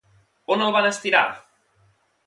On el van estirar?